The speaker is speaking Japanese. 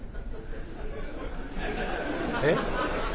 「えっ？